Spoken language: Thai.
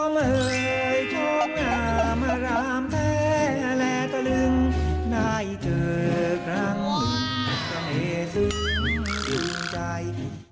เมื่อเท้างามรามแท้และตระลึงได้เจอกันหนึ่งแท้สึงใจ